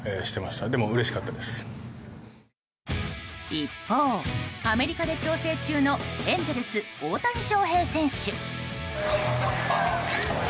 一方、アメリカで調整中のエンゼルス、大谷翔平選手。